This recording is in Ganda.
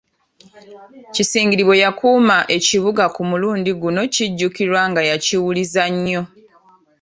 Kisingiri bwe yakuuma Ekibuga ku mulundi guno kijjukirwa nga yakiwuliza nnyo.